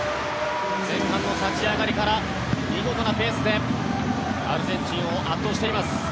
前半の立ち上がりから見事なペースでアルゼンチンを圧倒しています。